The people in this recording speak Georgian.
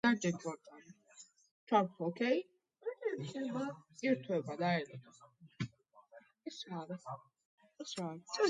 მისი მარშრუტი მრავალჯერ შეიცვალა, და წარსულში ამ სახელს რამდენიმე მათგანი იყენებდა.